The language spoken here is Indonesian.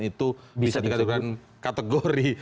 itu bisa dikategori